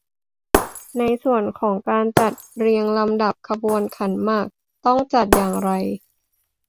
ในส่วนของการจัดเรียงลำดับขบวนขันหมากต้องจัดอย่างไร